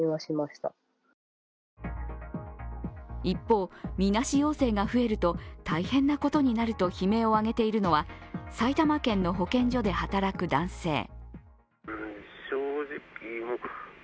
一方、みなし陽性が増えると大変なことになると悲鳴を上げているのは、埼玉県の保健所で働く男性。